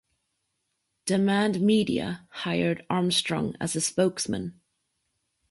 Demand Media hired Armstrong as a spokesman.